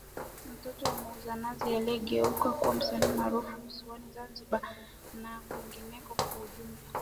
mtoto wa muuza nazi aliyegeuka kuwa msanii maarufu visiwani Zanzibar na kwengineko kwa ujumla